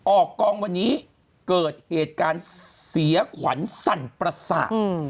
ออกกองวันนี้เกิดเหตุการณ์เสียขวัญสั่นประสาท